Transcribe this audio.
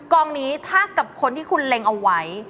กองนี้ถ้ากับคนที่คุณเล็งเอาไว้